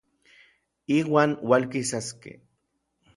Iuan ualkisaskej.